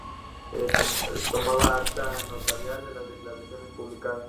tomaba acta notarial de las declaraciones publicadas